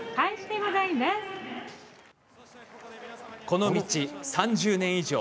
この道３０年以上。